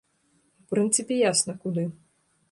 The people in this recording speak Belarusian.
У прынцыпе, ясна, куды.